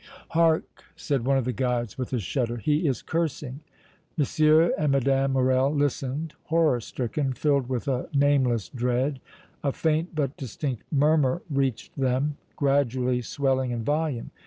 "Hark!" said one of the guides, with a shudder. "He is cursing!" M. and Mme. Morrel listened, horror stricken, filled with a nameless dread. A faint, but distinct murmur reached them, gradually swelling in volume.